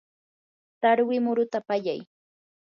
tarwi muruta pallay.